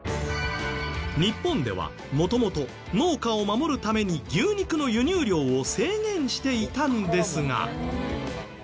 日本では元々農家を守るために牛肉の輸入量を制限していたんですが。